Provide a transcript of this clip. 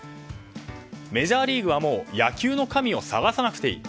メジャーリーグはもう野球の神を探さなくていい。